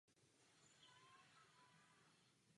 Stavba byla zasvěcena Navštívení Panny Marie.